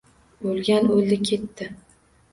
O’lgan o’ldi-ketdi.